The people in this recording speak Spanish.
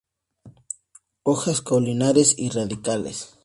Hojas caulinares y radicales.